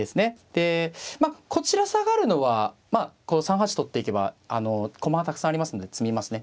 でまあこちら下がるのはまあこう３八取っていけば駒はたくさんありますんで詰みますね。